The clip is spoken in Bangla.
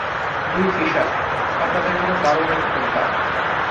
দুই ফিশার, আপনাদের জন্য দারুণ এক সন্ধ্যা।